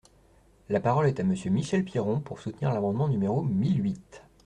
La parole est à Monsieur Michel Piron, pour soutenir l’amendement numéro mille huit.